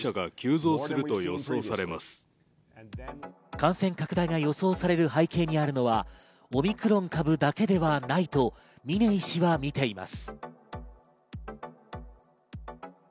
感染拡大が予想される背景にあるのはオミクロン株だけではないと峰医師は見ています。